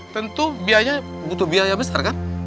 tentu biaya butuh biaya besar kan